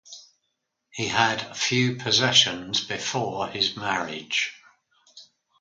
He had few possessions before his marriage.